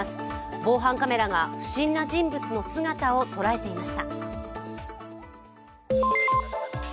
防犯カメラが不審な人物の姿をとらえていました。